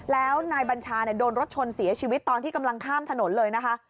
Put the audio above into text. แล้วนายบัญชาโดนรถชนเสียชีวิตตอนที่กำลังข้ามถนนเลยนะคะ